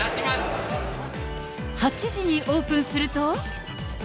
８時にオープンすると。